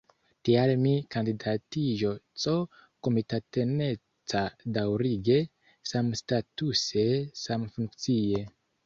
Tial mia kandidatiĝo C-komitataneca, daŭrige, samstatuse, samfunkcie.